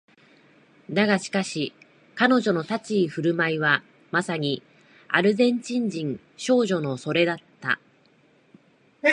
だがしかし彼女の立ち居振る舞いはまさにアルゼンチン人少女のそれだった